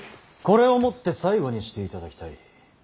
これをもって最後にしていただきたい。